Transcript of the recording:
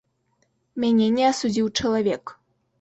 Мяне не асудзіў чалавек.